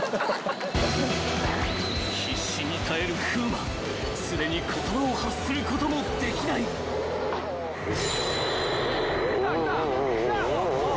［必死に耐える風磨すでに言葉を発することもできない］来た来たうわ！